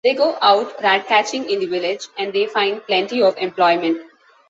They go out rat-catching in the village, and they find plenty of employment.